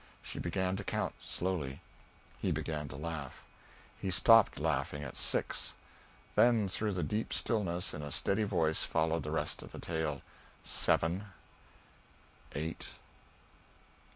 She began to count, slowly: he began to laugh. He stopped laughing at "six"; then through the deep stillness, in a steady voice, followed the rest of the tale: "seven ... eight